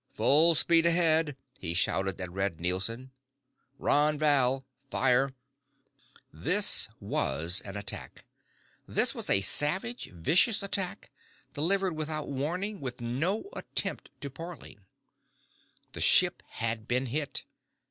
"Full speed ahead!" he shouted at Red Nielson. "Ron Val. Fire!" This was an attack. This was a savage, vicious attack, delivered without warning, with no attempt to parley. The ship had been hit.